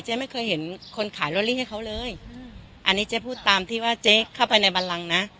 ไม่เคยเห็นคนขายลอตเตอรี่ให้เขาเลยอันนี้เจ๊พูดตามที่ว่าเจ๊เข้าไปในบันลังนะ